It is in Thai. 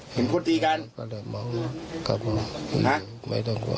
เห็นพูดตีกันก็เลยมองกลับออกไม่ต้องกลัว